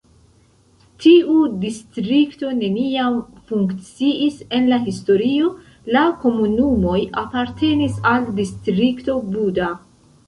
Tiu distrikto neniam funkciis en la historio, la komunumoj apartenis al Distrikto Buda.